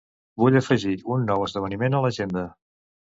Vull afegir un nou esdeveniment a l'agenda.